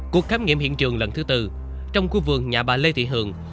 cuộc khám nghiệm hiện trường lần thứ tư trong khu vườn nhà bà lê thị hường